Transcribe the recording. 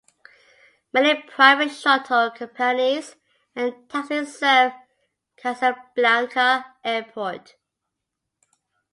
Many private shuttle companies and taxi serve Casablanca airport.